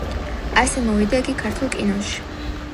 ასე მოვიდა იგი ქართულ კინოში.